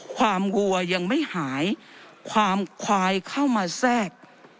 วัวยังไม่หายความควายเข้ามาแทรก